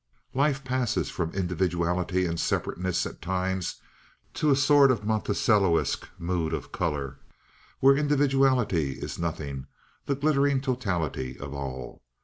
Life passes from individuality and separateness at times to a sort of Monticelliesque mood of color, where individuality is nothing, the glittering totality all.